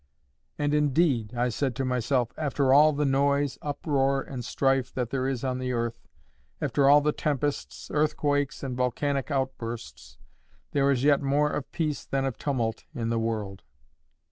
"And, indeed," I said to myself, "after all the noise, uproar, and strife that there is on the earth, after all the tempests, earthquakes, and volcanic outbursts, there is yet more of peace than of tumult in the world.